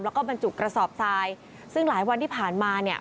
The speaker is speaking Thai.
แล้วก็บรรจุกระสอบทรายซึ่งหลายวันที่ผ่านมาเนี่ย